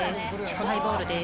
ハイボールです。